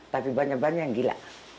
tapi banyak banyak yang gila